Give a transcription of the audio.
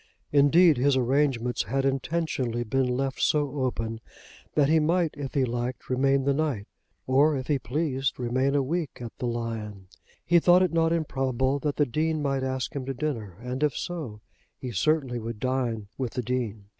Indeed his arrangements had intentionally been left so open that he might if he liked remain the night, or if he pleased, remain a week at the "Lion." He thought it not improbable that the Dean might ask him to dinner, and, if so, he certainly would dine with the Dean.